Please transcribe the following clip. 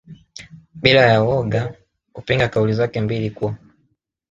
bila ya woga kupinga kauli zake mbili kuwa